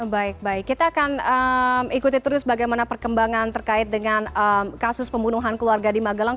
baik baik kita akan ikuti terus bagaimana perkembangan terkait dengan kasus pembunuhan keluarga di magelang